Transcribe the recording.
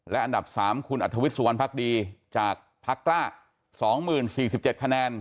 และอันดับ๓คุณอัธวิทย์สุวรรณภักดีจากพักกล้า๒๐๔๗คะแนน